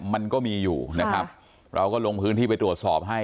มันก็มีอยู่นะครับเราก็ลงพื้นที่ไปตรวจสอบให้